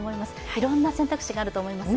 いろんな選択肢があると思います。